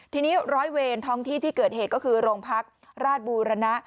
ทีนี้ร้อยเวรท้องที่ที่เกิดเหตุก็คือโรงพักราชบูรณะ